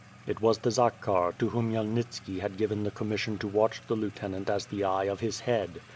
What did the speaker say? It was the Zakhar to whom Khymelnitski had given the commission to watch the lieutenant as the eye of his head.